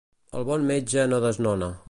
El bon metge no desnona.